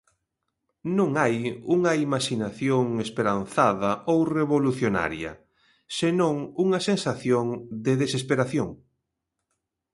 Non hai unha imaxinación esperanzada ou revolucionaria, senón unha sensación de desesperación.